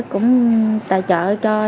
cũng tài trợ cho